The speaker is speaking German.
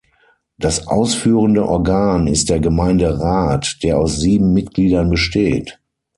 Das ausführende Organ ist der Gemeinderat, der aus sieben Mitgliedern besteht.